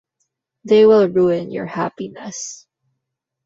They will ruin your happiness.